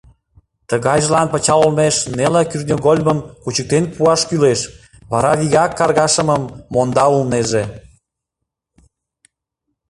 Тыгайжылан пычал олмеш неле кӱртньыгольмым кучыктен пуаш кӱлеш, вара вигак каргашымым монда улнеже.